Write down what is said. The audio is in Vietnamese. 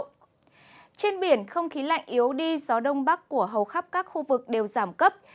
trên biển không khí lạnh yếu đi gió đông bắc của hầu khắp các khu vực đều giảm cấp